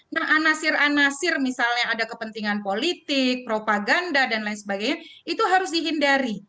nah anasir anasir misalnya ada kepentingan politik propaganda dan lain sebagainya itu harus dihindari